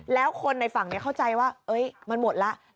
แล้วคนในฝั่งเข้าใจว่ามันหมดแล้ว